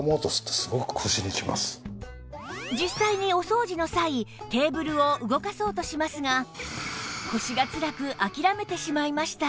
実際にお掃除の際テーブルを動かそうとしますが腰がつらく諦めてしまいました